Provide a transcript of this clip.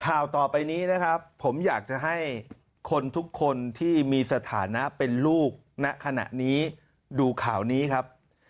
ข่าวต่อไปนี้นะครับผมอยากจะให้คนทุกคนที่มีสถานะเป็นลูกณขณะนี้ดูข่าวนี้ครับ